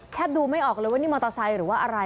ดูไม่ออกเลยว่านี่มอเตอร์ไซค์หรือว่าอะไร